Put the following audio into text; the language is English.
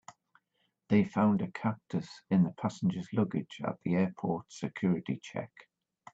They found a cactus in a passenger's luggage at the airport's security check.